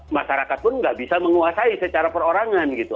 masyarakat pun nggak bisa menguasai secara perorangan gitu